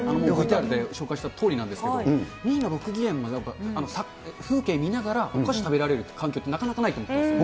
ＶＴＲで紹介したとおりなんですけれども、２位の六義園も風景見ながらお菓子食べられる環境ってなかなかないと思ってるんですよ。